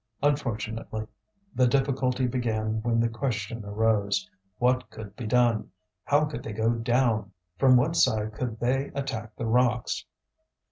Unfortunately, the difficulty began when the question arose, What could be done? how could they go down? from what side could they attack the rocks?